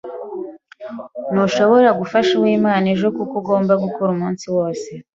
Ntushobora gufasha Uwimana ejo kuko ugomba gukora umunsi wose.